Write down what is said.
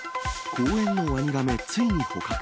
公園のワニガメ、ついに捕獲。